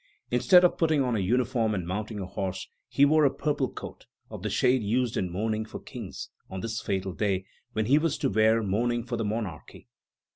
Instead of putting on a uniform and mounting a horse, he wore a purple coat, of the shade used as mourning for kings, on this fatal day when he was to wear mourning for the monarchy.